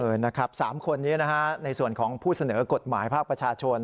นะครับ๓คนนี้นะฮะในส่วนของผู้เสนอกฎหมายภาคประชาชน